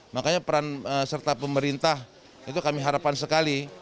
makanya peran serta pemerintah itu kami harapkan sekali